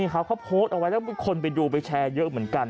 เขาโพสต์เอาไว้แล้วมีคนไปดูไปแชร์เยอะเหมือนกัน